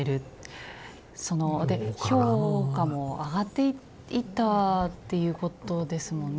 そので評価も上がっていったっていうことですもんね。